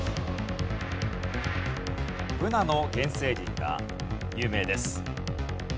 ブナの原生林が有名です。